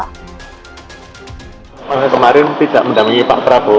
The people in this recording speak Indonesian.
karena kemarin tidak mendampingi pak prabowo